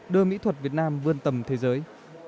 đưa mỹ thuật việt nam vươn tầm thế giới